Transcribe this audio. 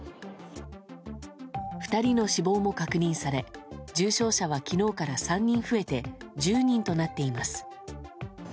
２人の死亡も確認され重症者は昨日から３人増えて１０人となっています。